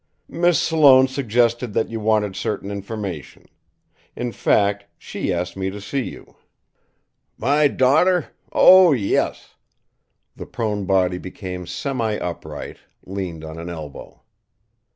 "Miss Sloane suggested that you wanted certain information. In fact, she asked me to see you." "My daughter? Oh, yes!" The prone body became semi upright, leaned on an elbow.